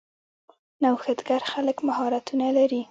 نوښتګر خلک مهارتونه لري.